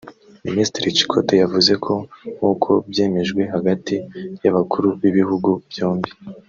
Minister Chikoti yavuze ko nk’uko byemejwe hagati y’abakuru b’ibihugu byombi